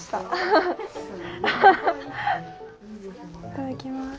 いただきます。